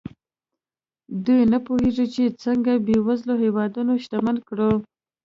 دوی نه پوهېږي چې څنګه بېوزله هېوادونه شتمن کړو.